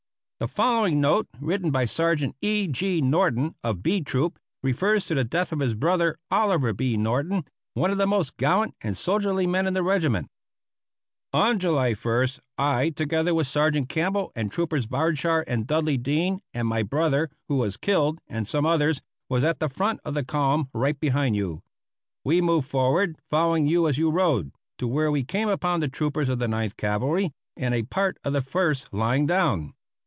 The following note, written by Sergeant E. G. Norton, of B Troop, refers to the death of his brother, Oliver B. Norton, one of the most gallant and soldierly men in the regiment: On July 1st I, together with Sergeant Campbell and Troopers Bardshar and Dudley Dean and my brother who was killed and some others, was at the front of the column right behind you. We moved forward, following you as you rode, to where we came upon the troopers of the Ninth Cavalry and a part of the First lying down.